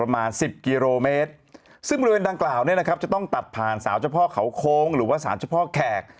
มีเผาเฉพาะเขาโค้งหรือว่าสารเฉพาะแขก